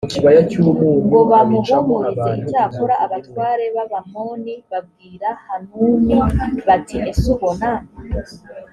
ngo bamuhumurize icyakora abatware b abamoni babwira hanuni bati ese ubona